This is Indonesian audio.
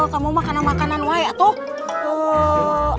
kamu makanan makanan wa ya tuh